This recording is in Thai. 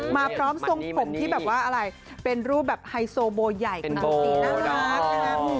มาพร้อมทรงผมที่แบบว่าอะไรเป็นรูปแบบไฮโซโบใหญ่คุณตีน่ารัก